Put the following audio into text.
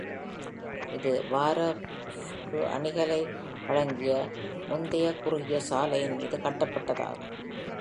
இது வாரஃ்ப்க்கு அணுகலை வழங்கிய முந்தைய குறுகிய சாலையின் மீது கட்டப்பட்டதாகும்.